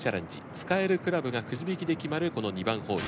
使えるクラブがくじ引きで決まるこの２番ホール。